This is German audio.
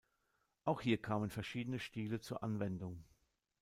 Auch hier kamen verschiedene Stile zur Anwendung.